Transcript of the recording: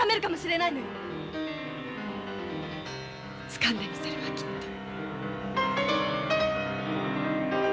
つかんでみせるわきっと。